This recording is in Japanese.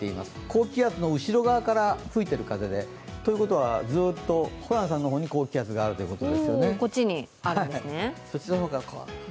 高気圧の後ろ側から吹いてる風で、ということはずっとホランさんの方に高気圧があるということですね。